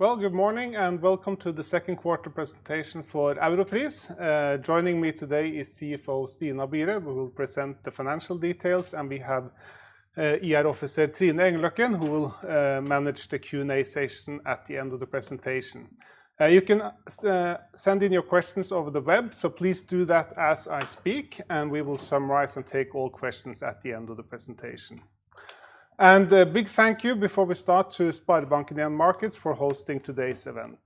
Good morning, and welcome to the second quarter presentation for Europris. Joining me today is CFO Stina Byre, who will present the financial details, and we have IR officer Trine Engløkken who will manage the Q&A session at the end of the presentation. You can send in your questions over the web, so please do that as I speak, and we will summarize and take all questions at the end of the presentation. A big thank you before we start to SpareBank 1 Markets for hosting today's event.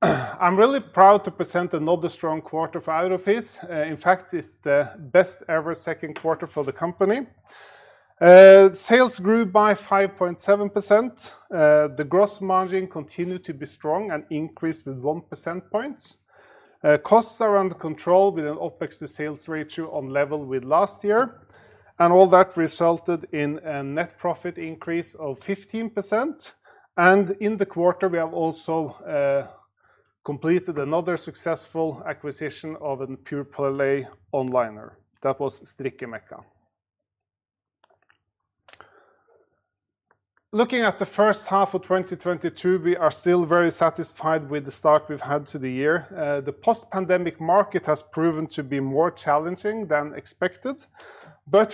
I'm really proud to present another strong quarter for Europris. In fact, it's the best ever second quarter for the company. Sales grew by 5.7%. The gross margin continued to be strong and increased with one percentage point. Costs are under control with an OPEX to sales ratio on level with last year. All that resulted in a net profit increase of 15% and in the quarter, we have also completed another successful acquisition of a pure-play online retailer. That was Strikkemekka. Looking at the first half of 2022, we are still very satisfied with the start we've had to the year. The post-pandemic market has proven to be more challenging than expected.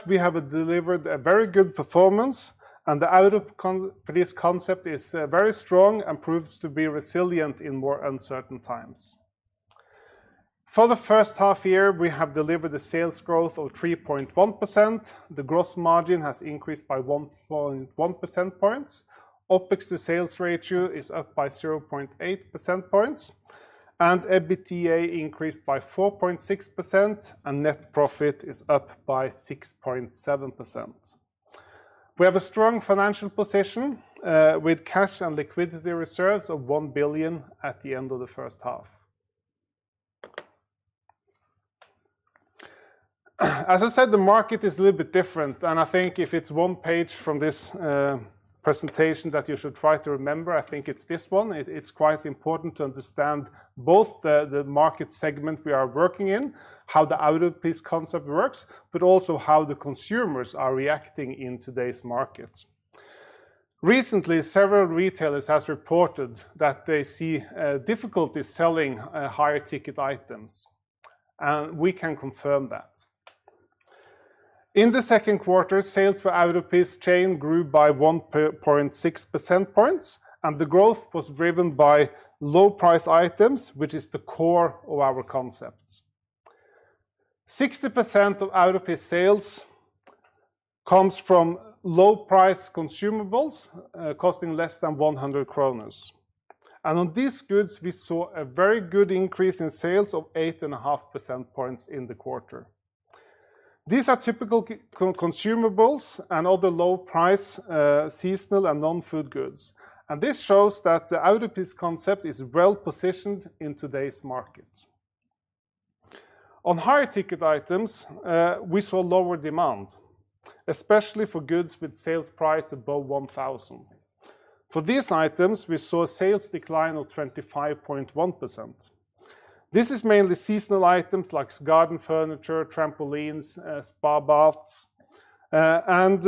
We have delivered a very good performance, and the Europris concept is very strong and proves to be resilient in more uncertain times. For the first half year, we have delivered a sales growth of 3.1%. The gross margin has increased by 1.1 percentage points. OpEx to sales ratio is up by 0.8 percentage points, and EBITDA increased by 4.6%, and net profit is up by 6.7%. We have a strong financial position with cash and liquidity reserves of 1 billion at the end of the first half. As I said, the market is a little bit different, and I think if it's one page from this presentation that you should try to remember, I think it's this one. It's quite important to understand both the market segment we are working in, how the Europris concept works, but also how the consumers are reacting in today's markets. Recently, several retailers has reported that they see difficulty selling higher ticket items, and we can confirm that. In the second quarter, sales for Europris chain grew by 1.6 percentage points, and the growth was driven by low price items, which is the core of our concept. 60% of Europris sales comes from low price consumables, costing less than 100 kroner. On these goods, we saw a very good increase in sales of 8.5 percentage points in the quarter. These are typical core consumables and other low price, seasonal and non-food goods. This shows that the Europris concept is well-positioned in today's market. On higher ticket items, we saw lower demand, especially for goods with sales price above 1,000 NOK. For these items, we saw a sales decline of 25.1%. This is mainly seasonal items like garden furniture, trampolines, spa baths, and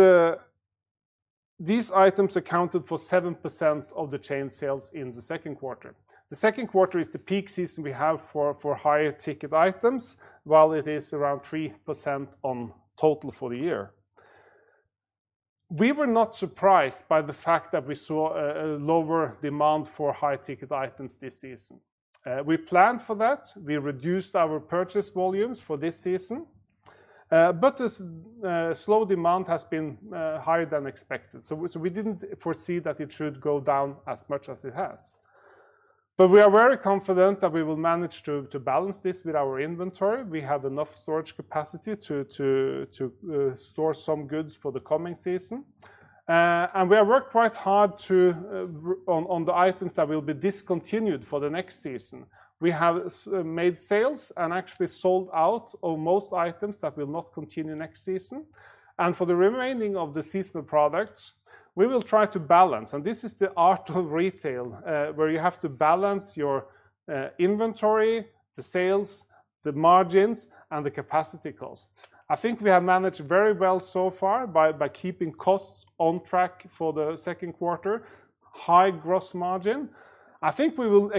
these items accounted for 7% of the chain sales in the second quarter. The second quarter is the peak season we have for higher ticket items, while it is around 3% of total for the year. We were not surprised by the fact that we saw a lower demand for high ticket items this season. We planned for that. We reduced our purchase volumes for this season, but slow demand has been higher than expected. We didn't foresee that it should go down as much as it has. We are very confident that we will manage to balance this with our inventory. We have enough storage capacity to store some goods for the coming season. We have worked quite hard to on the items that will be discontinued for the next season. We have made sales and actually sold out of most items that will not continue next season. For the remaining of the seasonal products, we will try to balance, and this is the art of retail, where you have to balance your inventory, the sales, the margins, and the capacity costs. I think we have managed very well so far by keeping costs on track for the second quarter, high gross margin. I think we will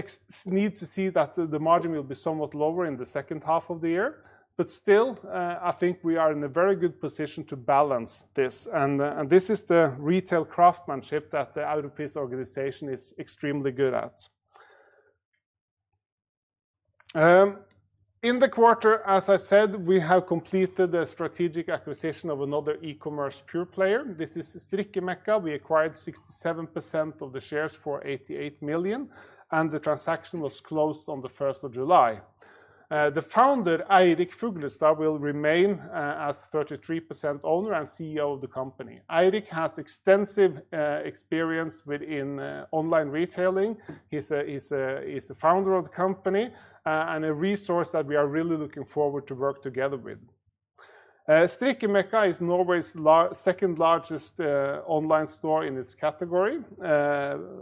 need to see that the margin will be somewhat lower in the second half of the year. Still, I think we are in a very good position to balance this, and this is the retail craftsmanship that the Europris organization is extremely good at. In the quarter, as I said, we have completed a strategic acquisition of another e-commerce pure player. This is Strikkemekka. We acquired 67% of the shares for 88 million, and the transaction was closed on the first of July. The founder, Eirik Fuglestad, will remain as 33% owner and CEO of the company. Eirik has extensive experience within online retailing. He's a founder of the company, and a resource that we are really looking forward to work together with. Strikkemekka is Norway's second-largest online store in its category,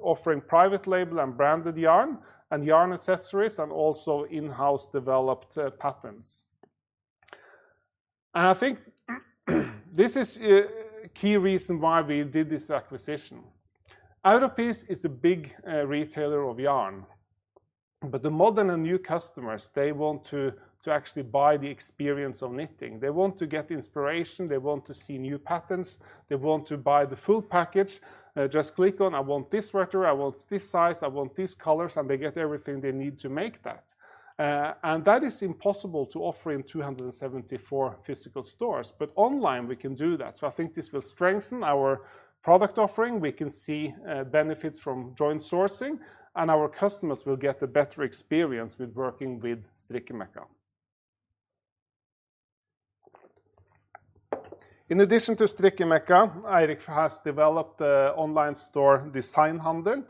offering private label and branded yarn and yarn accessories and also in-house developed patterns. I think this is a key reason why we did this acquisition. Europris is a big retailer of yarn, but the modern and new customers, they want to actually buy the experience of knitting. They want to get inspiration. They want to see new patterns. They want to buy the full package, just click on, "I want this sweater, I want this size, I want these colors," and they get everything they need to make that. That is impossible to offer in 274 physical stores, but online we can do that. I think this will strengthen our product offering. We can see benefits from joint sourcing, and our customers will get a better experience with working with Strikkemekka. In addition to Strikkemekka, Eirik has developed the online store Designhandel,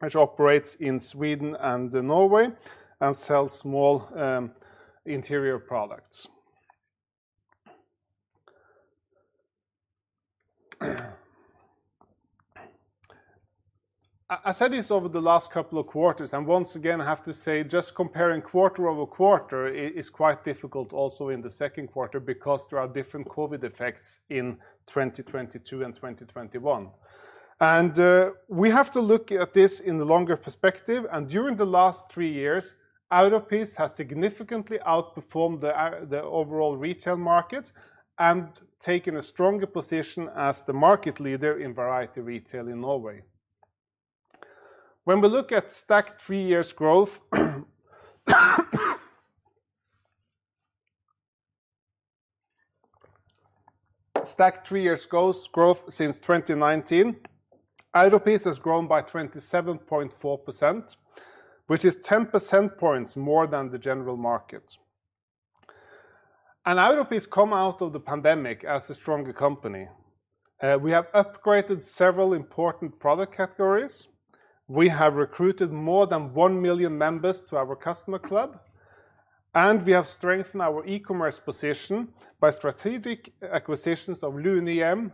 which operates in Sweden and Norway and sells small interior products. I said this over the last couple of quarters, and once again, I have to say, just comparing quarter over quarter is quite difficult also in the second quarter because there are different COVID effects in 2022 and 2021. We have to look at this in the longer perspective, and during the last three years, Europris has significantly outperformed the overall retail market and taken a stronger position as the market leader in variety retail in Norway. When we look at stacked three-year growth since 2019, Europris has grown by 27.4%, which is 10 percentage points more than the general market. Europris come out of the pandemic as a stronger company. We have upgraded several important product categories. We have recruited more than 1 million members to our customer club, and we have strengthened our e-commerce position by strategic acquisitions of Lunehjem,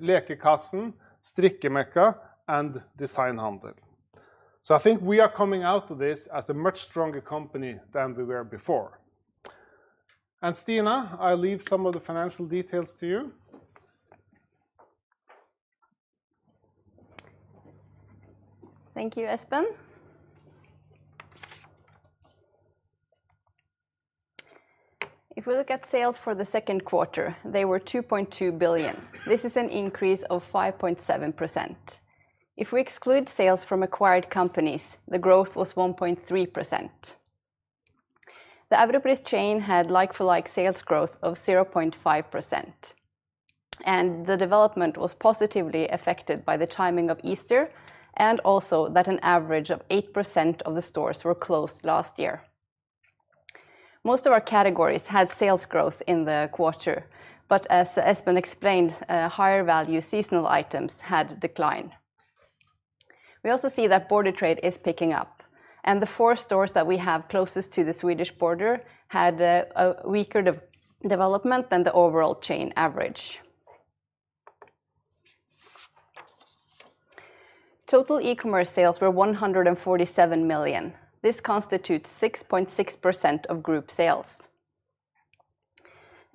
Lekekassen, Strikkemekka, and Designhandel. I think we are coming out of this as a much stronger company than we were before. Stina, I leave some of the financial details to you. Thank you, Espen. If we look at sales for the second quarter, they were 2.2 billion. This is an increase of 5.7%. If we exclude sales from acquired companies, the growth was 1.3%. The Europris chain had like-for-like sales growth of 0.5%, and the development was positively affected by the timing of Easter and also that an average of 8% of the stores were closed last year. Most of our categories had sales growth in the quarter, but as Espen explained, higher value seasonal items had declined. We also see that border trade is picking up, and the four stores that we have closest to the Swedish border had a weaker development than the overall chain average. Total e-commerce sales were 147 million. This constitutes 6.6% of group sales.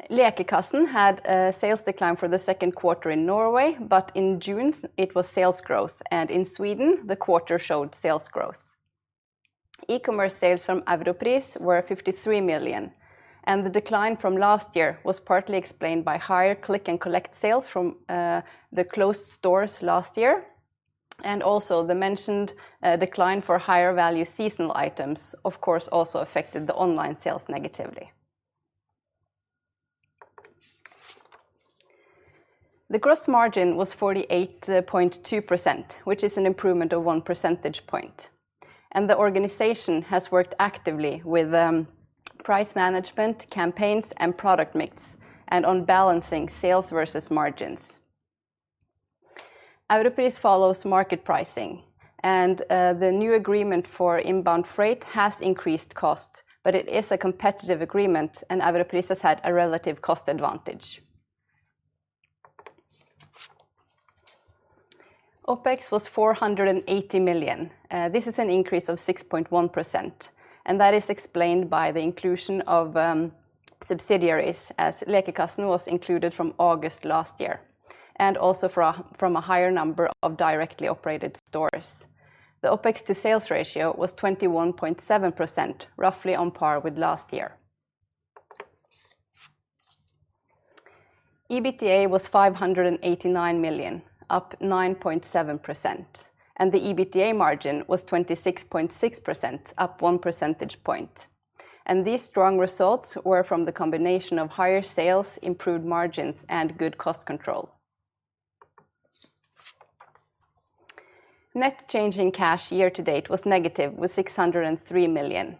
Lekekassen had a sales decline for the second quarter in Norway, but in June, it was sales growth, and in Sweden, the quarter showed sales growth. E-commerce sales from Europris were 53 million, and the decline from last year was partly explained by higher click-and-collect sales from the closed stores last year. The mentioned decline for higher value seasonal items, of course, also affected the online sales negatively. The gross margin was 48.2%, which is an improvement of one percentage point, and the organization has worked actively with price management, campaigns, and product mix, and on balancing sales versus margins. Europris follows market pricing, and the new agreement for inbound freight has increased cost, but it is a competitive agreement, and Europris has had a relative cost advantage. OPEX was 400 million. This is an increase of 6.1%, and that is explained by the inclusion of subsidiaries as Lekekassen was included from August last year, and also from a higher number of directly operated stores. The OPEX to sales ratio was 21.7%, roughly on par with last year. EBITDA was 589 million, up 9.7%, and the EBITDA margin was 26.6%, up one percentage point. These strong results were from the combination of higher sales, improved margins, and good cost control. Net change in cash year to date was negative 603 million.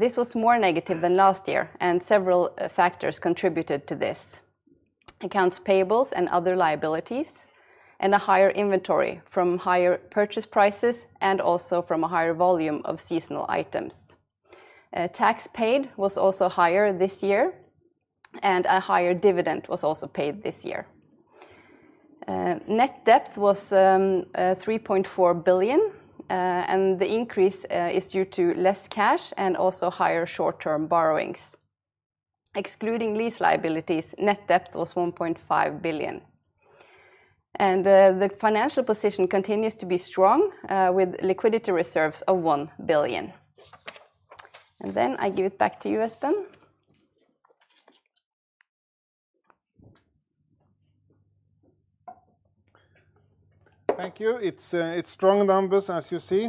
This was more negative than last year, and several factors contributed to this. Accounts payables and other liabilities and a higher inventory from higher purchase prices and also from a higher volume of seasonal items. Tax paid was also higher this year, and a higher dividend was also paid this year. Net debt was 3.4 billion, and the increase is due to less cash and also higher short-term borrowings. Excluding lease liabilities, net debt was 1.5 billion. The financial position continues to be strong, with liquidity reserves of 1 billion. I give it back to you, Espen. Thank you. It's strong numbers as you see.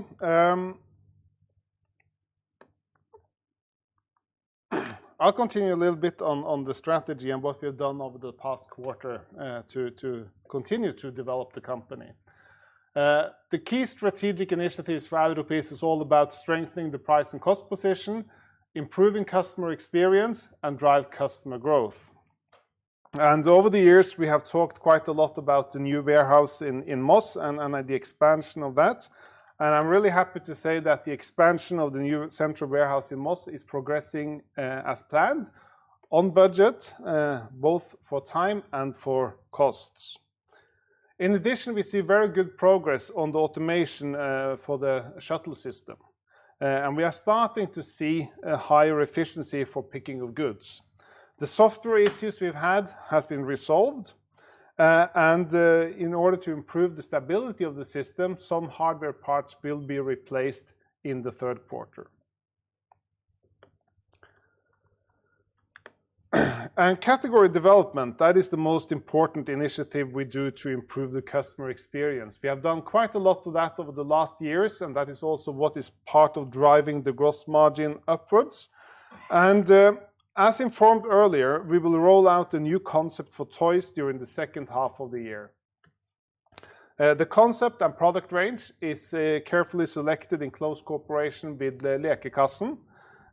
I'll continue a little bit on the strategy and what we've done over the past quarter to continue to develop the company. The key strategic initiatives for Europris is all about strengthening the price and cost position, improving customer experience, and drive customer growth. Over the years, we have talked quite a lot about the new warehouse in Moss and the expansion of that, and I'm really happy to say that the expansion of the new central warehouse in Moss is progressing as planned on budget both for time and for costs. In addition, we see very good progress on the automation for the shuttle system and we are starting to see a higher efficiency for picking of goods. The software issues we've had has been resolved, and in order to improve the stability of the system, some hardware parts will be replaced in the third quarter. Category development, that is the most important initiative we do to improve the customer experience. We have done quite a lot to that over the last years, and that is also what is part of driving the gross margin upwards. As informed earlier, we will roll out a new concept for toys during the second half of the year. The concept and product range is carefully selected in close cooperation with the Lekekassen.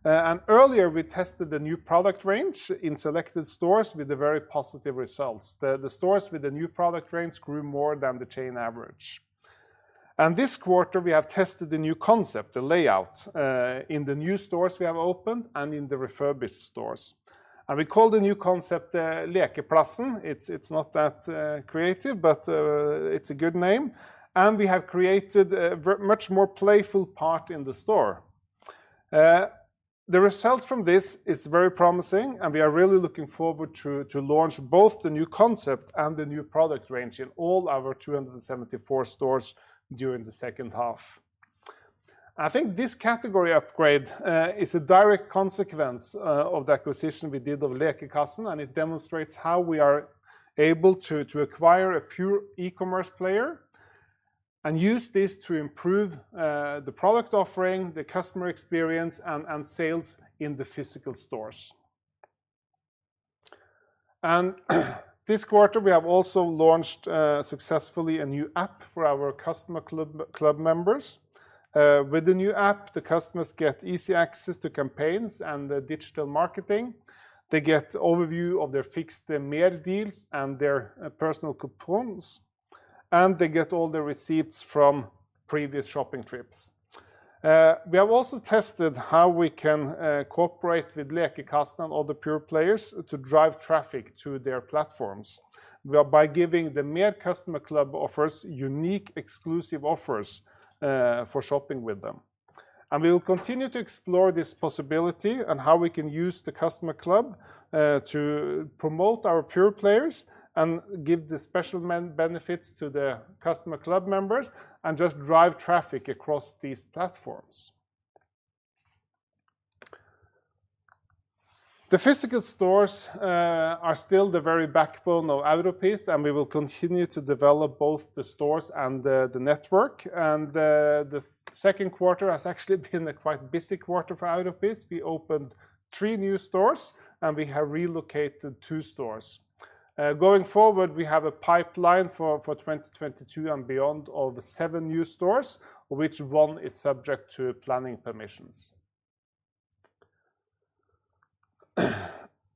Earlier, we tested the new product range in selected stores with very positive results. The stores with the new product range grew more than the chain average. This quarter, we have tested the new concept, the layout, in the new stores we have opened and in the refurbished stores. We call the new concept Lekeplassen. It's not that creative, but it's a good name, and we have created a much more playful part in the store. The results from this is very promising, and we are really looking forward to launch both the new concept and the new product range in all our 274 stores during the second half. I think this category upgrade is a direct consequence of the acquisition we did of Lekekassen, and it demonstrates how we are able to acquire a pure e-commerce player and use this to improve the product offering, the customer experience, and sales in the physical stores. This quarter, we have also launched successfully a new app for our customer club members. With the new app, the customers get easy access to campaigns and the digital marketing. They get overview of their fixed MER deals and their personal coupons, and they get all the receipts from previous shopping trips. We have also tested how we can cooperate with Lekekassen and other pure players to drive traffic to their platforms by giving the MER customer club members unique exclusive offers for shopping with them. We will continue to explore this possibility and how we can use the customer club to promote our pure players and give the special member benefits to the customer club members and just drive traffic across these platforms. The physical stores are still the very backbone of Europris, and we will continue to develop both the stores and the network. The second quarter has actually been a quite busy quarter for Europris. We opened three new stores, and we have relocated two stores. Going forward, we have a pipeline for 2022 and beyond of seven new stores, which one is subject to planning permissions.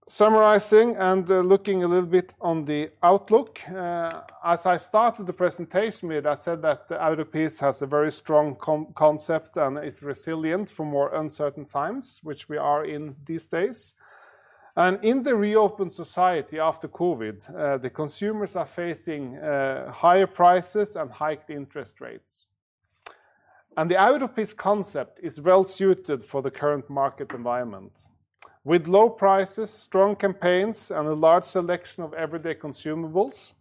Summarizing and looking a little bit on the outlook, as I started the presentation with, I said that Europris has a very strong concept and is resilient for more uncertain times, which we are in these days. In the reopened society after COVID, the consumers are facing higher prices and hiked interest rates. The Europris concept is well-suited for the current market environment. With low prices, strong campaigns, and a large selection of everyday consumables,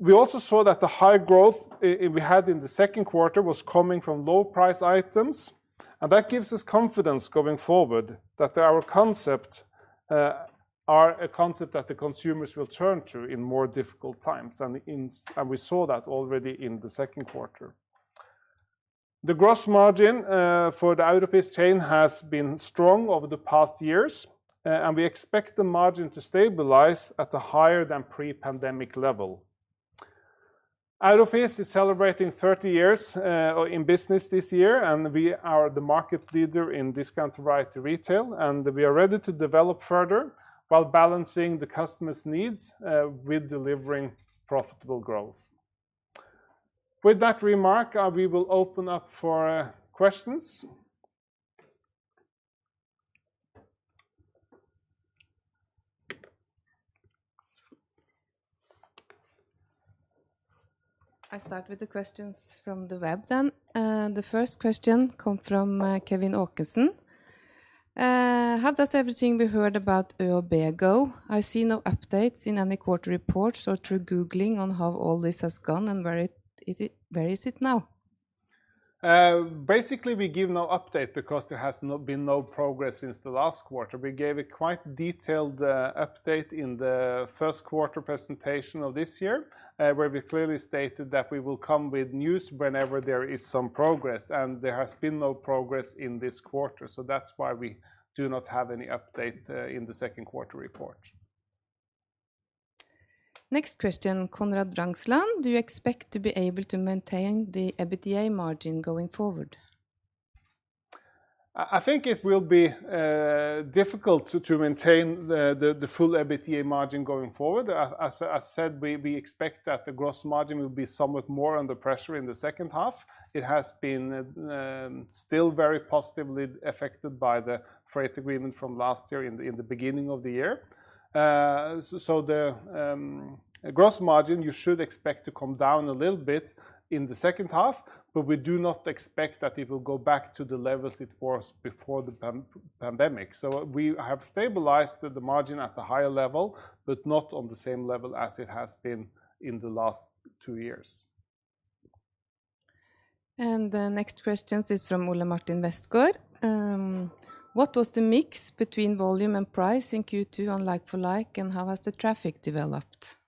we also saw that the high growth we had in the second quarter was coming from low-price items, and that gives us confidence going forward that our concept, are a concept that the consumers will turn to in more difficult times, and we saw that already in the second quarter. The gross margin for the Europris chain has been strong over the past years, and we expect the margin to stabilize at a higher than pre-pandemic level. Europris is celebrating 30 years in business this year, and we are the market leader in discount variety retail, and we are ready to develop further while balancing the customers' needs with delivering profitable growth. With that remark, we will open up for questions. I start with the questions from the web then. The first question comes from Kevin Åkeson. How does everything we heard about ÖoB go? I see no updates in any quarter reports or through googling on how all this has gone, and where is it now? Basically we give no update because there has been no progress since the last quarter. We gave a quite detailed update in the first quarter presentation of this year, where we clearly stated that we will come with news whenever there is some progress, and there has been no progress in this quarter. That's why we do not have any update in the second quarter report. Next question, Konrad Ragnstad: Do you expect to be able to maintain the EBITDA margin going forward? I think it will be difficult to maintain the full EBITDA margin going forward. As said, we expect that the gross margin will be somewhat more under pressure in the second half. It has been still very positively affected by the freight agreement from last year in the beginning of the year. The gross margin you should expect to come down a little bit in the second half, but we do not expect that it will go back to the levels it was before the pre-pandemic. We have stabilized the margin at the higher level, but not on the same level as it has been in the last two years. The next question is from Ole Martin Westgaard. What was the mix between volume and price in Q2 on like for like, and how has the traffic developed?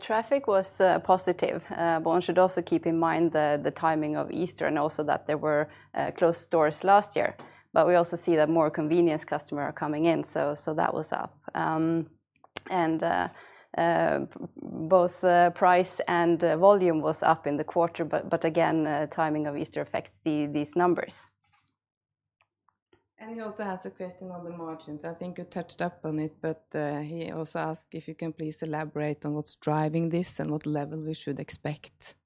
Traffic was positive. One should also keep in mind the timing of Easter, and also that there were closed stores last year. We also see that more convenience customer are coming in, so that was up. Both price and volume was up in the quarter, but again, timing of Easter affects these numbers. He also has a question on the margins. I think you touched on it, but he also asked if you can please elaborate on what's driving this and what level we should expect.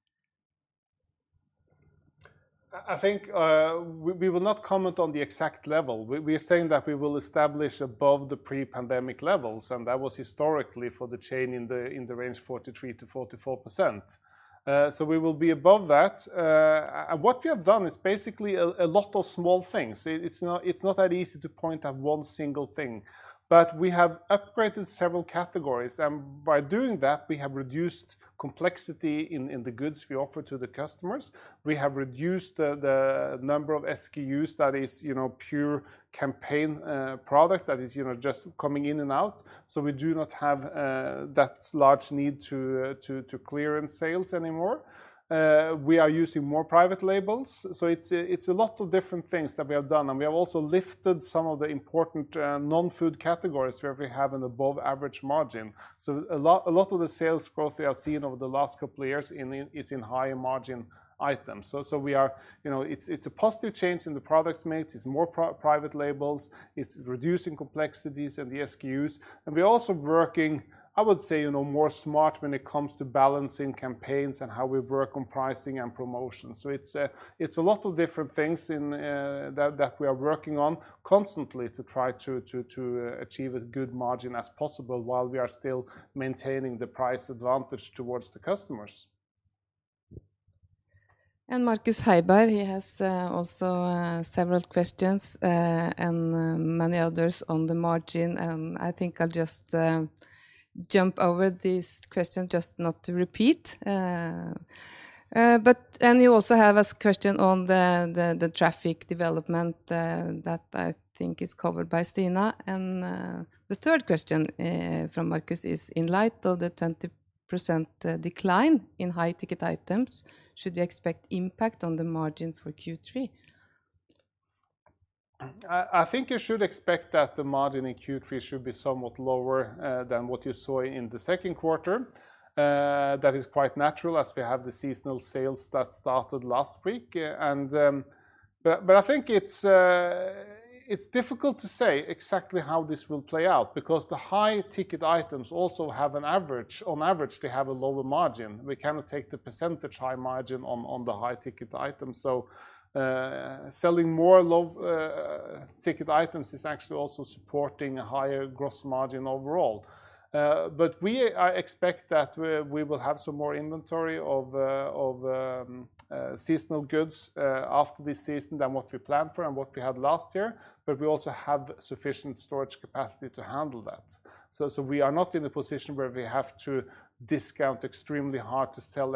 I think we will not comment on the exact level. We are saying that we will establish above the pre-pandemic levels, and that was historically for the chain in the range 43%-44%. We will be above that. What we have done is basically a lot of small things. It's not that easy to point at one single thing. We have upgraded several categories, and by doing that, we have reduced complexity in the goods we offer to the customers. We have reduced the number of SKUs that is, you know, pure campaign products that is, you know, just coming in and out. We do not have that large need to clear in sales anymore. We are using more private labels. It's a lot of different things that we have done. We have also lifted some of the important non-food categories where we have an above average margin. A lot of the sales growth we have seen over the last couple years is in higher margin items. You know, it's a positive change in the product mix. It's more private labels. It's reducing complexities in the SKUs. We're also working, I would say, you know, more smart when it comes to balancing campaigns and how we work on pricing and promotions. It's a lot of different things in that we are working on constantly to try to achieve a good margin as possible while we are still maintaining the price advantage towards the customers. Markus Heiberg has also several questions and many others on the margin. I think I'll just jump over these questions just not to repeat. You also have a question on the traffic development that I think is covered by Stina. The third question from Markus is, in light of the 20% decline in high-ticket items, should we expect impact on the margin for Q3? I think you should expect that the margin in Q3 should be somewhat lower than what you saw in the second quarter. That is quite natural as we have the seasonal sales that started last week. I think it's difficult to say exactly how this will play out because the high ticket items also have an average. On average, they have a lower margin. We cannot take the percentage high margin on the high ticket items. Selling more low ticket items is actually also supporting a higher gross margin overall. We expect that we will have some more inventory of seasonal goods after this season than what we planned for and what we had last year, but we also have sufficient storage capacity to handle that. We are not in a position where we have to discount extremely hard to sell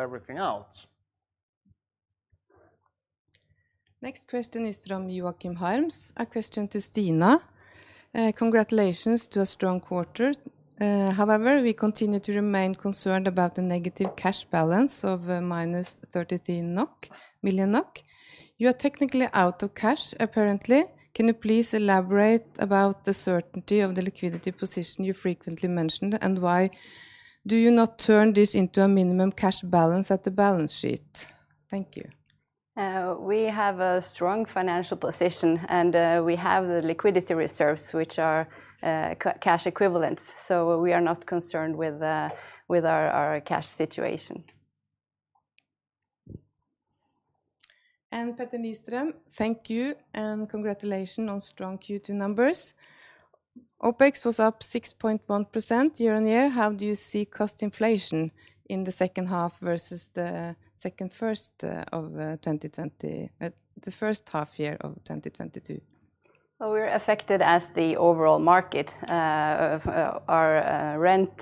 everything out. Next question is from Joachim Huse, a question to Stina. Congratulations to a strong quarter. However, we continue to remain concerned about the negative cash balance of minus 33 million NOK. You are technically out of cash, apparently. Can you please elaborate about the certainty of the liquidity position you frequently mentioned, and why do you not turn this into a minimum cash balance on the balance sheet? Thank you. We have a strong financial position, and we have the liquidity reserves, which are cash equivalents, so we are not concerned with our cash situation. Petter Nyström, thank you and congratulations on strong Q2 numbers. OPEX was up 6.1% year-on-year. How do you see cost inflation in the second half versus the first half year of 2022? Well, we're affected as the overall market. Our rent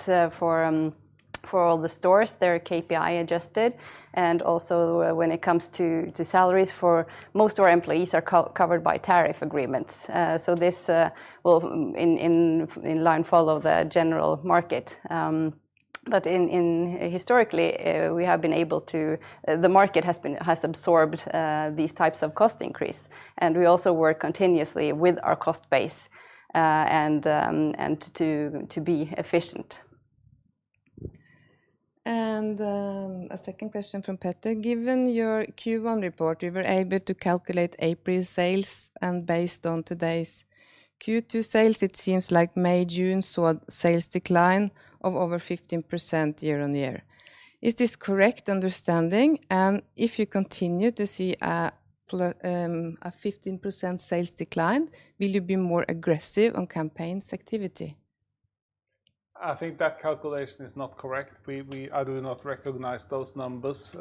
for all the stores, they're CPI adjusted and also when it comes to salaries for most of our employees are covered by tariff agreements. This will in line follow the general market. Historically, the market has absorbed these types of cost increase and we also work continuously with our cost base and to be efficient. A second question from Petter. Given your Q1 report, you were able to calculate April sales, and based on today's Q2 sales, it seems like May, June saw a sales decline of over 15% year-on-year. Is this correct understanding? If you continue to see a 15% sales decline, will you be more aggressive on campaigns activity? I think that calculation is not correct. I do not recognize those numbers.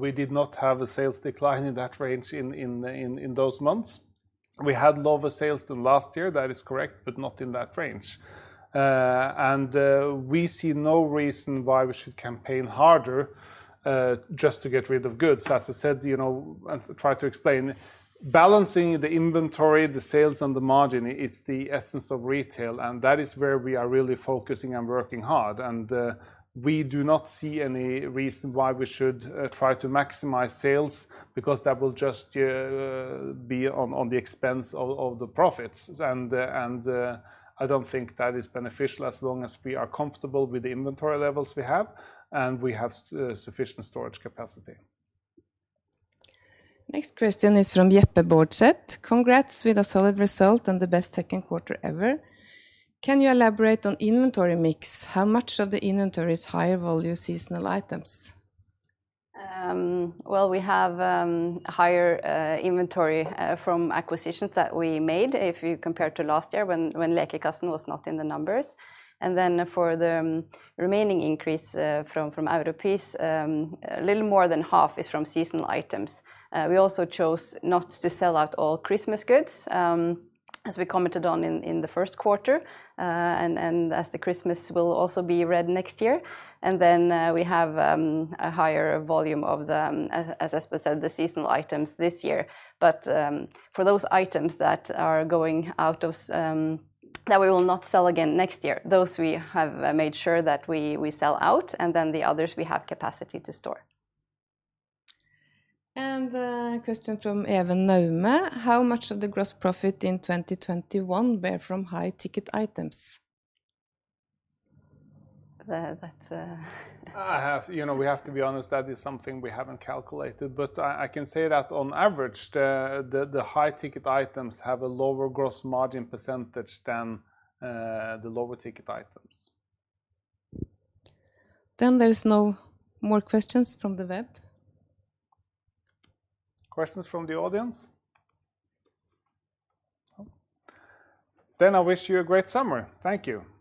We did not have a sales decline in that range in those months. We had lower sales than last year, that is correct, but not in that range. We see no reason why we should campaign harder just to get rid of goods. As I said, you know, and try to explain, balancing the inventory, the sales, and the margin is the essence of retail, and that is where we are really focusing and working hard. We do not see any reason why we should try to maximize sales because that will just be on the expense of the profits. I don't think that is beneficial as long as we are comfortable with the inventory levels we have and we have sufficient storage capacity. Next question is from Jeppe Baardseth. Congrats with a solid result and the best second quarter ever. Can you elaborate on inventory mix? How much of the inventory is higher volume seasonal items? Well, we have higher inventory from acquisitions that we made if you compare to last year when Lekekassen was not in the numbers. For the remaining increase from Europris, a little more than half is from seasonal items. We also chose not to sell out all Christmas goods as we commented on in the first quarter. As the Christmas will also be red next year, we have a higher volume of, as Espen said, the seasonal items this year. For those items that we will not sell again next year, those we have made sure that we sell out, and the others we have capacity to store. A question from Even Naume. How much of the gross profit in 2021 were from high ticket items? That's. You know, we have to be honest, that is something we haven't calculated. But I can say that on average the high ticket items have a lower gross margin percentage than the lower ticket items. There is no more questions from the web. Questions from the audience? No. I wish you a great summer. Thank you. Thank you.